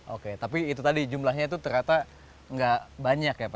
oke tapi itu tadi jumlahnya itu ternyata nggak banyak ya pak